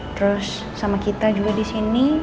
terus sama kita juga di sini